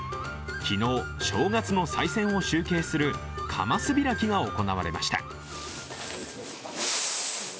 昨日、正月のさい銭を集計するかます開きが行われました。